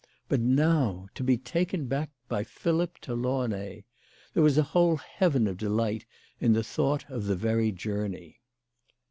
But now, to be taken back by Philip to Launay ! There was a whole heaven of delight in the thought of the very journey.